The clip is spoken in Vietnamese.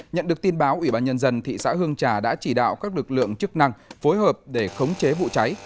nhận được tin báo ủy ban nhân dân thị xã hương trà đã chỉ đạo các lực lượng chức năng phối hợp để khống chế vụ cháy